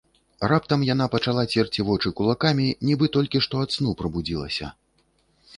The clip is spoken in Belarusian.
Раптам яна пачала церці вочы кулакамі, нібы толькі што ад сну прабудзілася.